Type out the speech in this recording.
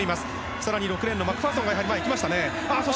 更に６レーンのマクファーソンがいきましたね。